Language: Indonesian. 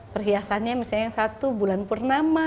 perhiasannya misalnya yang satu bulan purnama